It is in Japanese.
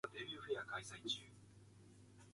完全に馬鹿げているほうが、完全に退屈よりマシよ。